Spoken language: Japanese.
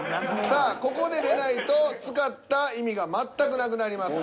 さあここで出ないと使った意味が全くなくなります。